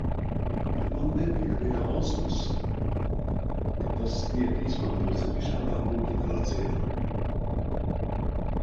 Bet man nebija ne jausmas, ka tas tiek izmantots arī šādām publikācijām.